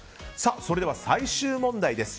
それでは、最終問題です。